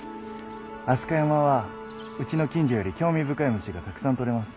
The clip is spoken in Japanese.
飛鳥山はうちの近所より興味深い虫がたくさん採れます。